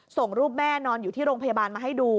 ส่งรูปแม่นอนอยู่ที่โรงพยาบาลมาให้ดู